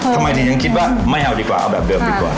ทำไมถึงยังคิดว่าไม่เอาดีกว่าเอาแบบเดิมดีกว่า